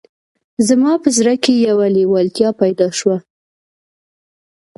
زما په زړه کې یوه لېوالتیا پیدا شوه